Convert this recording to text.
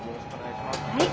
はい。